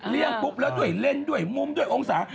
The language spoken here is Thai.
ปุ๊บแล้วด้วยเล่นด้วยมุมด้วยองศา